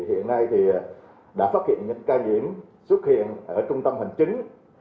hiện nay thì đã phát hiện những ca nhiễm xuất hiện ở trung tâm hành chính